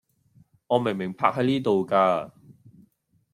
我明明泊係呢度架